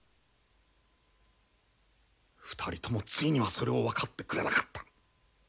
２人ともついにはそれを分かってくれなかった。